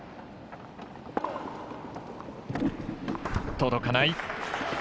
届かない！